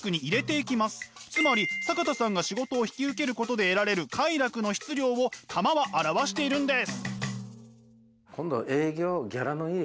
つまり坂田さんが仕事を引き受けることで得られる快楽の質量を玉は表しているんです。